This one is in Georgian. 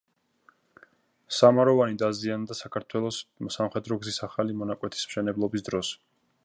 სამაროვანი დაზიანდა საქართველოს სამხედრო გზის ახალი მონაკვეთის მშენებლობის დროს.